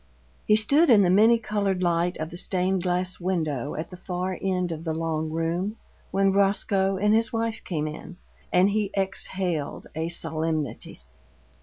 He stood in the many colored light of the stained glass window at the far end of the long room, when Roscoe and his wife came in, and he exhaled a solemnity.